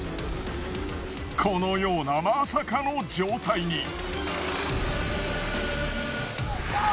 このようなまさかの状態に。